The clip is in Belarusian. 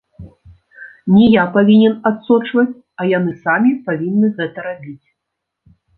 Не я павінен адсочваць, а яны самі павінны гэта рабіць.